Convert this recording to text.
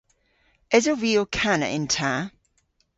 Esov vy ow kana yn ta?